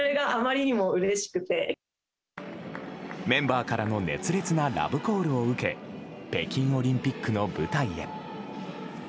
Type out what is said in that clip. メンバーからの熱烈なラブコールを受け北京オリンピックの舞台へ。